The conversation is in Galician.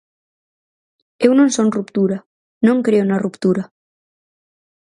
Eu non son ruptura, non creo na ruptura.